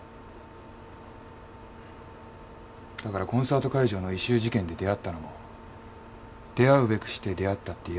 だからコンサート会場の異臭事件で出会ったのも出会うべくして出会ったって言えるのかもしれない。